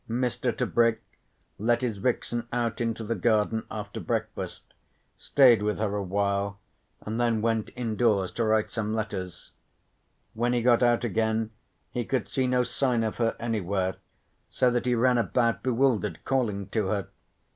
Mr. Tebrick let his vixen out into the garden after breakfast, stayed with her awhile, and then went indoors to write some letters. When he got out again he could see no sign of her anywhere, so that he ran about bewildered, calling to her.